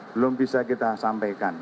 belum bisa kita sampaikan